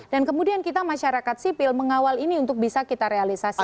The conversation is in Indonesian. dan kemudian kita masyarakat sipil mengawal ini untuk bisa kita realisasikan